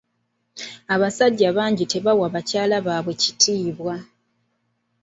Abasajja bangi tebawa bakyala baabwe kitiibwa.